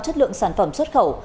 chất lượng sản phẩm xuất khẩu